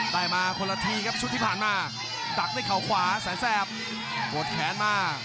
ได้มาคนละทีครับชุดที่ผ่านมาดักด้วยเขาขวาแสนแสบปวดแขนมา